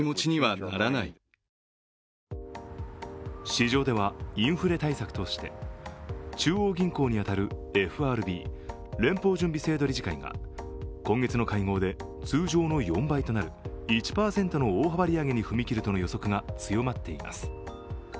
市場ではインフレ対策として、中央銀行に当たるＦＲＢ＝連邦準備制度理事会が今月の会合で通常の４倍となる１％の大幅利上げに踏み切るとの予測が強まっています。